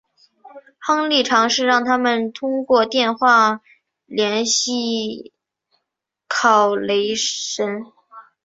亨利尝试让他们通过电话联系考雷什。